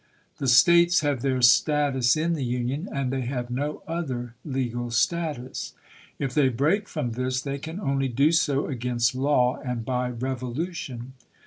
The States have their stains in the Union, and they have no other legal status. If they break from this, they can only do so against law, and by revolution.